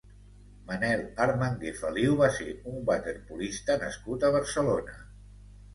Manel Armangué Feliu va ser un waterpolista nascut a Barcelona.